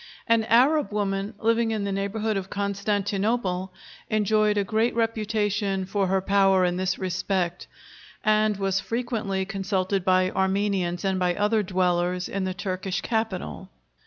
An Arab woman living in the neighborhood of Constantinople enjoyed a great reputation for her power in this respect, and was frequently consulted by Armenians and by other dwellers in the Turkish capital.